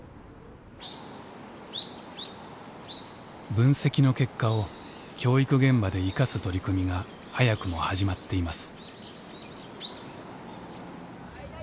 分析の結果を教育現場で生かす取り組みが早くも始まっています。